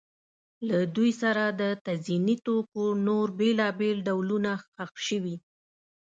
له دوی سره د تزیني توکو نور بېلابېل ډولونه ښخ شوي